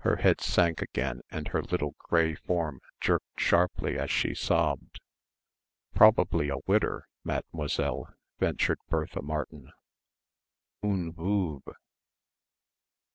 Her head sank again and her little grey form jerked sharply as she sobbed. "Probably a widder, Mademoiselle," ventured Bertha Martin, "oon voove."